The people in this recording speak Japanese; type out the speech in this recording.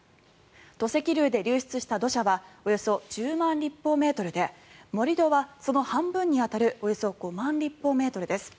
土石流で流出した土砂はおよそ１０万立方メートルで盛り土はその半分に当たるおよそ５万立方メートルです。